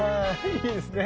いいですね。